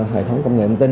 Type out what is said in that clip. hệ thống công nghệ bằng tin